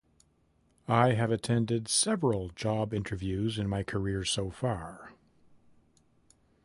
I have attended several job interviews in my career so far.